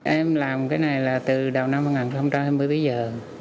em làm cái này là từ đầu năm hai nghìn cho đến bây giờ